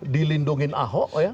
dilindungi ahok ya